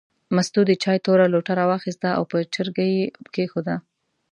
مستو د چای توره لوټه راواخیسته او په چرګۍ یې کېښوده.